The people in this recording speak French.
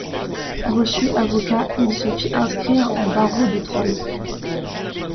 Reçu avocat, il se fit inscrire an barreau de Troyes.